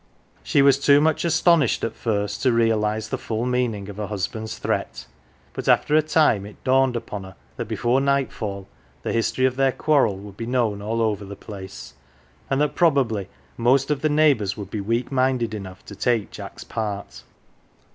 She was too much astonished at first to realise the full meaning of her husband's threat ; but after a time it dawned upon her that before nightfall the history of their quarrel would be known all over the place, and that probably most of the neighbours would be weak minded enough to take Jack's part.